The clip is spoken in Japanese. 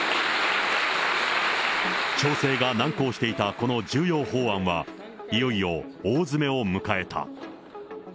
調整が難航していたこの重要法案は、いよいよ大詰めを迎えた。